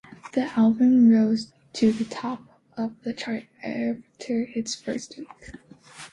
The album rose to the top of the charts after its first week.